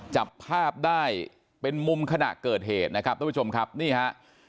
จับภาพได้เป็นมุมขณะเกิดเหตุนะครับทุกผู้ชมครับนี่ฮะ